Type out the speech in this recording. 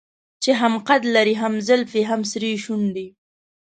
چې هم قد لري هم زلفې هم سرې شونډې.